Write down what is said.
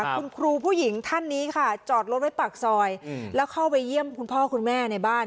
คุณครูผู้หญิงท่านนี้ค่ะจอดรถไว้ปากซอยแล้วเข้าไปเยี่ยมคุณพ่อคุณแม่ในบ้าน